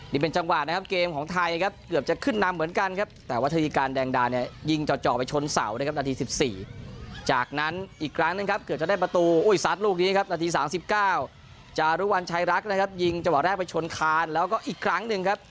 นี่เป็นจังหวะนะครับเกมของไทยครับเกือบจะขึ้นนำเหมือนกันครับแต่วัฒนีการแดงดาเนี่ยยิงเจาะไปชนเสานะครับนาที๑๔จากนั้นอีกครั้งหนึ่งครับเกือบจะได้ประตูอุ้ยซัดลูกนี้ครับนาที๓๙จารุวัญชัยรักนะครับยิงจังหวะแรกไปชนคานแล้วก็อีกครั้งหนึ่งครับ